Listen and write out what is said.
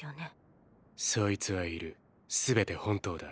そいつはいるすべて本当だ。